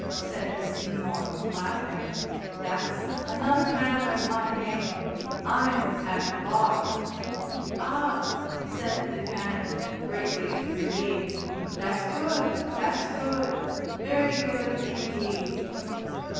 said Seymour, laughing, "that's another man of my name. I'm at the Bar." "Ah," said the Canon, greatly relieved, "that's good! That's good! Very good indeed!"